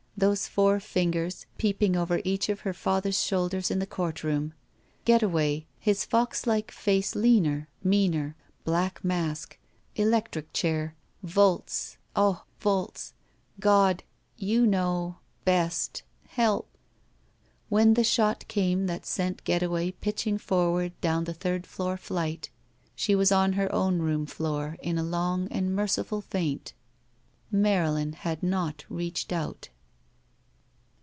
Those four fingers peeping over each of her father's shoulders in the courtroom. Getaway ! His foxlike face leaner. Meaner. Black mask. Electric chair. Volts. Ugh — ^volts ! God — ^you know — ^best — ^help — When the shot came that sent Getaway pitching forward down the third floor flight she was on her own room floor in a long and merciful faint. Marylin had not reached out.